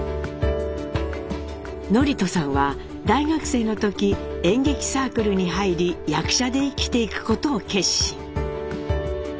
智人さんは大学生の時演劇サークルに入り役者で生きていくことを決心。